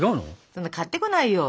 そんな買ってこないよ。